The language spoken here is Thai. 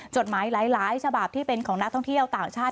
จดหมายหลายฉบับที่เป็นของนักท่องเที่ยวต่างชาติ